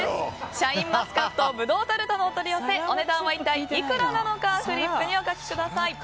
シャインマスカット葡萄タルトのお取り寄せお値段は一体いくらなのかフリップにお書きください。